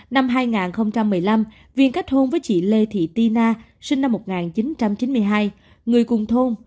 năm hai nghìn một mươi năm viên kết hôn với chị lê thị ti na sinh năm một nghìn chín trăm chín mươi hai người cùng thôn